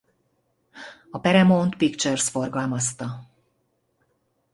A Paramount Pictures forgalmazta.